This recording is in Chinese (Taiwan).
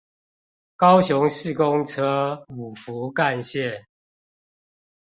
高雄市公車五福幹線